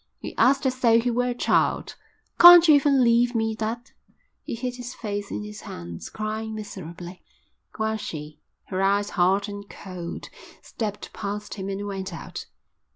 He asked as though he were a child. "Can't you even leave me that?" He hid his face in his hands, crying miserably, while she, her eyes hard and cold, stepped past him and went out.